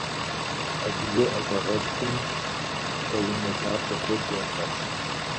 Адыгэ ӀэщӀагъэлӀхэм пхъэ унэ дахэ куэд ящӀащ.